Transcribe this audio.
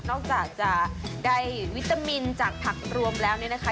อกจากจะได้วิตามินจากผักรวมแล้วเนี่ยนะคะ